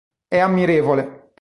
È ammirevole.